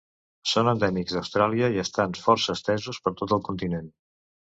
Són endèmics d'Austràlia i estan força estesos per tot el continent.